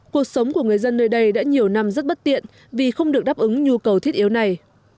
cuộc sống của người dân nơi đây đã nhiều năm rất bất tiện vì không được đáp ứng nhu cầu thiết yếu này